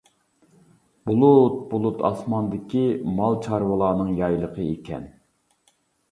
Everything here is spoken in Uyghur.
بۇلۇت بۇلۇت ئاسماندىكى مال-چارۋىلارنىڭ يايلىقى ئىكەن.